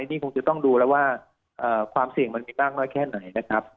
นี่คงจะต้องดูแล้วว่าความเสี่ยงมันมีมากน้อยแค่ไหนนะครับ